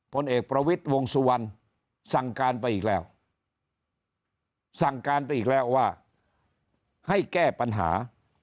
ผลเอกประวิทย์วงสุวรรณสั่งการไปอีกแล้วสั่งการไปอีกแล้วว่าให้แก้ปัญหา